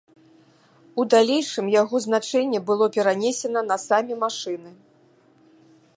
У далейшым яго значэнне было перанесена на самі машыны.